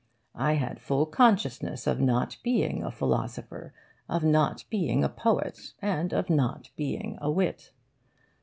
I had full consciousness of not being a philosopher, of not being a poet, and of not being a wit.